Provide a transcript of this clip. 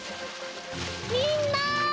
みんな！